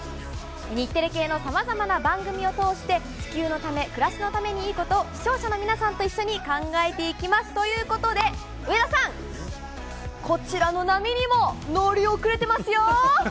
日テレ系のさまざまな番組を通して、地球のため、暮らしのためにいいことを視聴者の皆さんと一緒に考えていきます、ということで、上田さん、こちらの波にも乗り遅れてますよ。